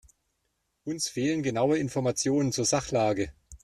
Uns fehlen genaue Informationen zur Sachlage.